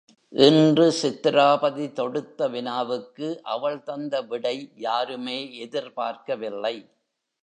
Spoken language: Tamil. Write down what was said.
என்று சித்திராபதி தொடுத்த வினாவுக்கு அவள் தந்த விடை யாருமே எதிர் பார்க்கவில்லை.